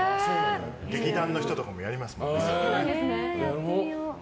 劇団の人とかもやりますからね。